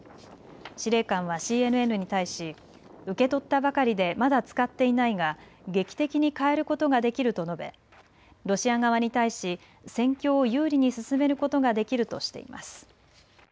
司令官はＣＮＮに対し受け取ったばかりでまだ使っていないが劇的に変えることができると述べロシア側に対し戦況を有利に進めることができるとしています。